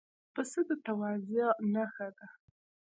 پسه د تواضع نښه ده.